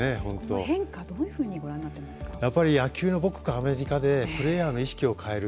この変化どういうふうにやっぱり野球の母国アメリカでプレーヤーの意識を変える。